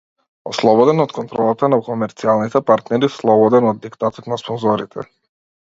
Ослободен од контролата на комерцијалните партнери, слободен од диктатот на спонзорите.